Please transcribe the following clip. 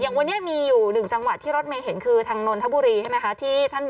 อย่างวันนี้มีดูว่ามีอยู่อย่างหนึ่งจังหวัดที่รถเมฆเห็นตั้งแต่ทางโนนธบุรีที่มีคำสั่งไว้ตะวันนั้น